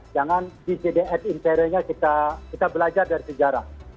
jangan di cdrt interiornya kita belajar dari sejarah